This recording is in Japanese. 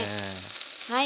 はい。